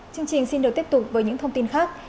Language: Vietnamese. chương trình xin được tiếp tục với những thông tin khác